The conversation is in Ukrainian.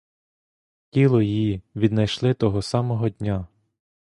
Тіло її віднайшли того самого дня.